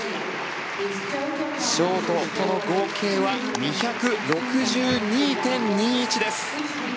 ショートとの合計は２６２．２１です。